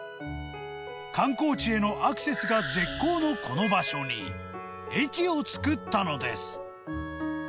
観光地へのアクセスが絶好のこの場所に、駅を作ったのです。